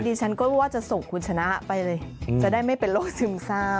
ดิฉันก็ว่าจะส่งคุณชนะไปเลยจะได้ไม่เป็นโรคซึมเศร้า